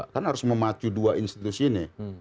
kan harus memacu dua institusi ini